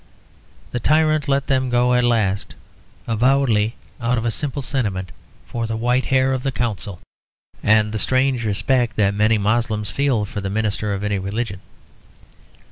The tyrant let them go at last, avowedly out of a simple sentiment for the white hair of the consul, and the strange respect that many Moslems feel for the minister of any religion.